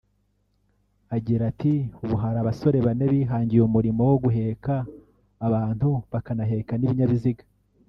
Agira ati” Ubu hari abasore bane bihangiye umurimo wo guheka abantu bakanaheka n’ibinyabiziga